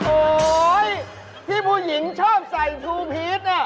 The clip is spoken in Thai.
โอ๊ยที่ผู้หญิงชอบใส่ซูพีชน่ะ